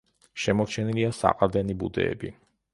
შემორჩენილია საყრდენი ბუდეები.